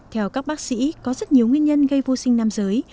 theo các bác sĩ có rất nhiều nguyên nhân gây vô sinh nam giới